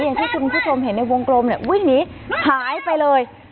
อย่างที่คุณผู้ชมเห็นในวงกลมเนี่ยวิ่งหนีหายไปเลย